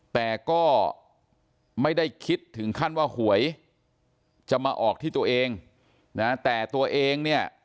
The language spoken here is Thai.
แต่ก็ไม่ได้คิดถึงขั้นว่าหวยจะมาออกที่ตัวเองนะแต่ตัวเองเนี่ย